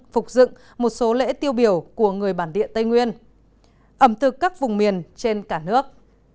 phục dựng một số lễ tiêu biểu của người bản địa tây nguyên ẩm thực các vùng miền trên cả nước